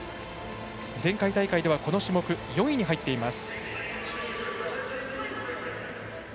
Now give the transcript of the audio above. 前回大会ではこの種目４位に入っています。